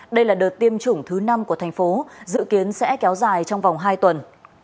đây là đợt tiêm chủng thứ năm của tp hcm dự kiến sẽ kéo dài trong vòng hai tuần